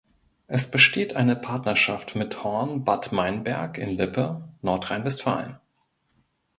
Es besteht eine Partnerschaft mit Horn-Bad Meinberg in Lippe, Nordrhein-Westfalen.